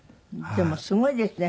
でもすごいですね